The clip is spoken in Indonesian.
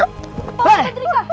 pak mbak drika